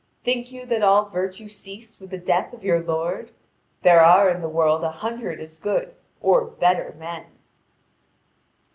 Think you that all virtue ceased with the death of your lord? There are in the world a hundred as good or better men."